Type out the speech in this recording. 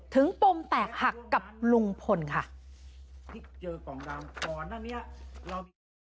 ถึงปุ่มแตกหักกับลุงพลค่ะ